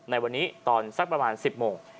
ในวันนี้ตอนสักประมาณ๑๐โมง